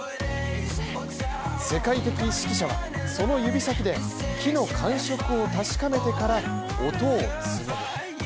世界的指揮者はその指先で木の感触を確かめてから音を紡ぐ。